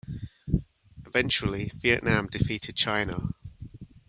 Eventually, Vietnam defeated China.